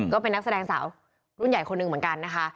ก็เป็นนักแสดงสาวรุ่นใหญ่คนหนึ่งเหมือนกันนะคะ